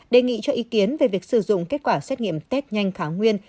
đề nghị cho ý kiến về việc sử dụng kết quả xét nghiệm test nhanh kháng nguyên